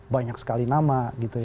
banyak sekali nama